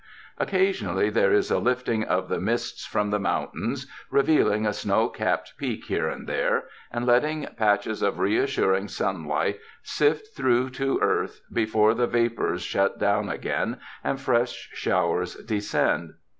Occasionally there is a lifting of the mists from the mountains, revealing a snow capped peak here and there and letting patches of reassuring sun light sift through to earth, before the vapors shut down again and fresh showers descend.